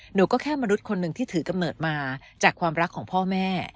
หนูก็แค่มนุษย์คนหนึ่งที่ถือกำเนิดมาจากความรักของพ่อแม่